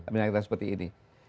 menyatakan seperti ini